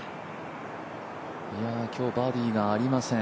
今日、バーディーがありません。